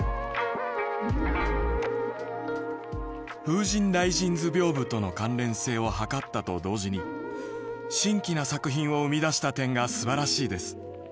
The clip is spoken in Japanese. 「『風神雷神図屏風』との関連性をはかったと同時に新規な作品を生み出した点がすばらしいです。